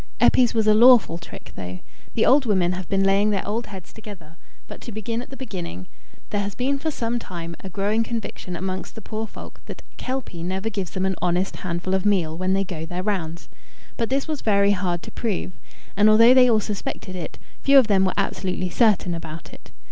"Eppie's was a lawful trick, though. The old women have been laying their old heads together but to begin at the beginning: there has been for some time a growing conviction amongst the poor folk that the Kelpie never gives them an honest handful of meal when they go their rounds. But this was very hard to prove, and although they all suspected it, few of them were absolutely certain about it.